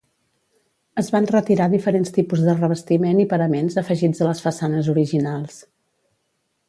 Es van retirar diferents tipus de revestiment i paraments afegits a les façanes originals.